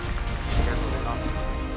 ありがとうございます。